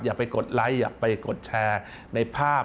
อย่าไปกดไลค์อย่าไปกดแชร์ในภาพ